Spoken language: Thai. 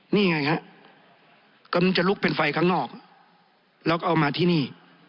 นี่ไงฮะกำลังจะลุกเป็นไฟข้างนอกแล้วก็เอามาที่นี่